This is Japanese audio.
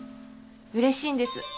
うれしいんです。